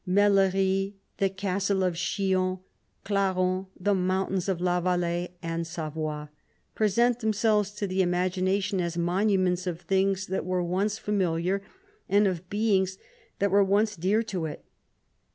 Mellerie, the Castle of Chillon, Clarens, the mountains of La Valais and Savoy, present them selves to the imagination as monuments of things that were once familiar, and of beings that were once dear to it.